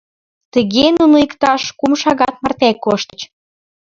Тыге нуно иктаж кум шагат марте коштыч.